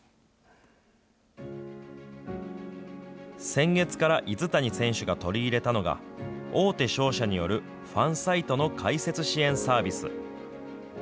先月から泉谷選手が取り入れたのが、大手商社によるファンサイトの開設支援サービス。